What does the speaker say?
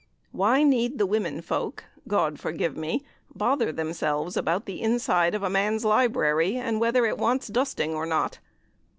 Why need the women folk (God forgive me!) bother themselves about the inside of a man's library, and whether it wants dusting or not?